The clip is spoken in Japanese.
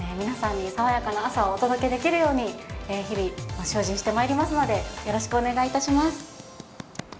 皆さんに爽やかな朝をお届けできるように、日々、精進してまいりますので、よろしくお願いいお願いします。